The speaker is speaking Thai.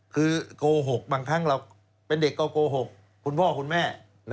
คือโกหกบางครั้งเราเป็นเด็กก็โกหกคุณพ่อคุณแม่